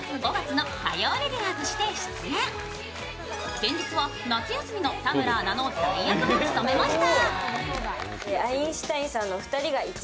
先日は夏休みの田村アナの代役も務めました。